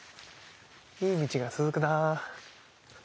いい道が続くな。